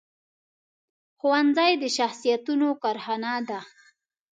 ښوونځی د شخصیتونو کارخانه ده